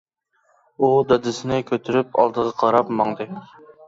ئۇ دادىسىنى كۆتۈرۈپ ئالدىغا قاراپ ماڭدى.